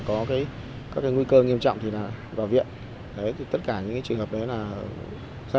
có cái các cái nguy cơ nghiêm trọng thì là vào viện đấy thì tất cả những trường hợp đấy là gia